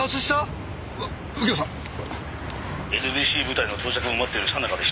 「ＮＢＣ部隊の到着を待っているさなかでした」